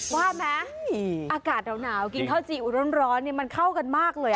ว่าไหมอากาศหนาวกินข้าวจีอุดร้อนมันเข้ากันมากเลย